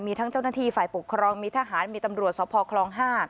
มีทั้งเจ้าหน้าที่ฝ่ายปกครองมีทหารมีตำรวจสพคลอง๕